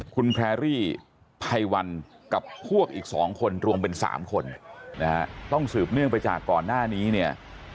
คุณแพรรี่ไพวันกับพวกอีก๒คนรวมเป็น๓คนนะฮะต้องสืบเนื่องไปจากก่อนหน้านี้เนี่ย